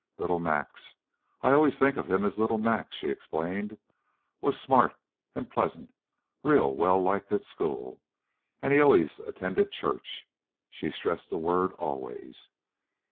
"Little Max I always think of him as Little Max," she explained "was smart and pleasant, real well liked at school. And he always attended church." She stressed the word always.